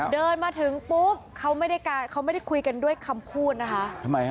เดินมาถึงปุ๊บเขาไม่ได้เขาไม่ได้คุยกันด้วยคำพูดนะคะ